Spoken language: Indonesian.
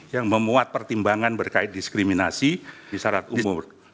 yang memuat pertimbangan berkait diskriminasi disarat umur